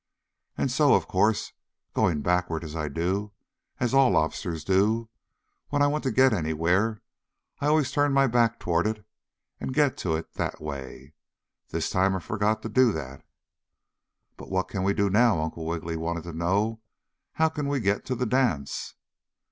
"And so, of course, going backward as I do, and as all Lobsters do, when I want to get anywhere I always turn my back toward it, and get to it that way. This time I forgot to do that." "But what can we do now?" Uncle Wiggily wanted to know. "How can we get to the dance?"